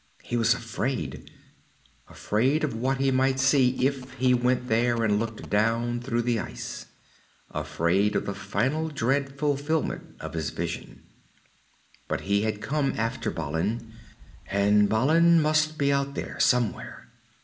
He was afraid, afraid of what he might see if he went there and looked down through the ice, afraid of the final dread fulfillment of his vision. But he had come after Balin, and Balin must be out there somewhere.